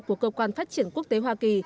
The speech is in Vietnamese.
của cơ quan phát triển quốc tế hoa kỳ